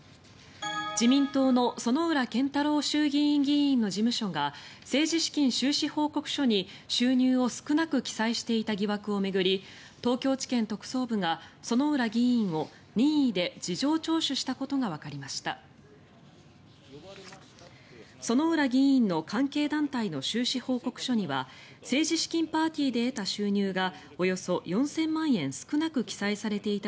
自民党の薗浦健太郎衆議院議員の事務所が政治資金収支報告書に収入を少なく記載していた疑惑を巡り東京地検特捜部が薗浦議員を任意で事情聴取したことがわかりました。